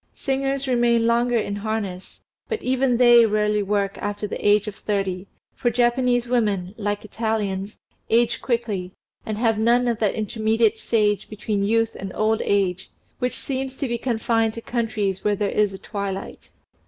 Singers remain longer in harness, but even they rarely work after the age of thirty, for Japanese women, like Italians, age quickly, and have none of that intermediate stage between youth and old age, which seems to be confined to countries where there is a twilight.